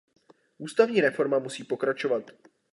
Ústavní reforma musí pokračovat.